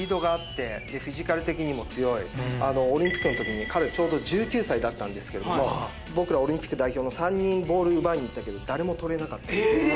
オリンピックのとき彼ちょうど１９歳だったんですけれども僕らオリンピック代表の３人ボール奪いに行ったけど誰も取れなかった。